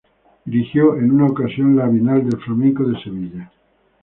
Dirigió en una ocasión la Bienal de Flamenco de Sevilla.